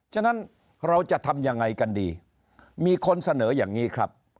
ฉะนั้นเราจะทำยังไงกันดีมีคนเสนออย่างนี้ครับ